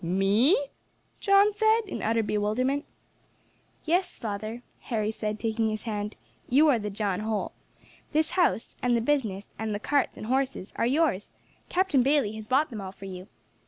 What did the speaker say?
"Me?" John said, in utter bewilderment. "Yes, father," Harry said, taking his hand, "you are the John Holl. This house, and the business, and the carts and horses, are yours; Captain Bayley has bought them all for you.